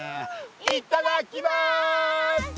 いっただきます！